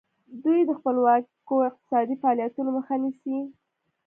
دوی د خپلواکو اقتصادي فعالیتونو مخه نیسي.